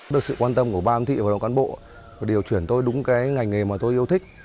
được sự quan tâm của ba âm thị và đồng cán bộ điều chuyển tôi đúng cái ngành nghề mà tôi yêu thích